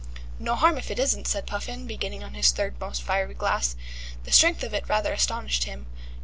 "No harm if it isn't," said Puffin, beginning on his third most fiery glass. The strength of it rather astonished him.